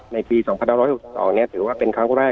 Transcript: ในปี๒๑๖๒ถือว่าเป็นครั้งแรก